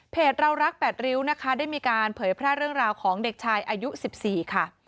เรารัก๘ริ้วนะคะได้มีการเผยแพร่เรื่องราวของเด็กชายอายุ๑๔ค่ะ